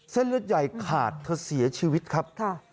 เส้นเลือดใหญ่ขาดเธอเสียชีวิตครับ